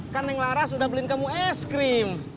kan yang laras udah beliin kamu es krim